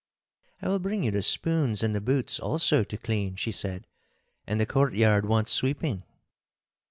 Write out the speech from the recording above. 'I will bring you the spoons and the boots also to clean,' she said, 'and the courtyard wants sweeping!